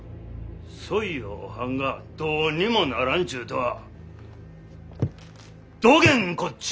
そいをおはんがどうにもならんちゅうとはどげんこっじゃ！